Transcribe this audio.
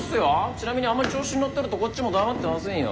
ちなみにあんま調子乗ってるとこっちも黙ってませんよ。